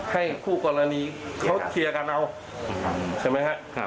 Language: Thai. คู่กรณีเขาเคลียร์กันเอาใช่ไหมครับ